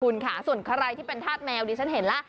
คุณค่ะส่วนขรายที่เป็นธาตุแมวดีฉันเห็นละ